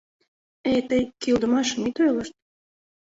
Э... тый кӱлдымашым ит ойлышт...